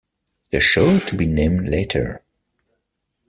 The Show to Be Named Later...